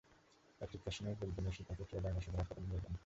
তাঁর চিৎকার শুনে লোকজন এসে তাঁকে চুয়াডাঙ্গা সদর হাসপাতালে নিয়ে যান।